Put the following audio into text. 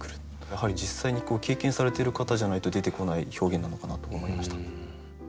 やはり実際に経験されている方じゃないと出てこない表現なのかなと思いました。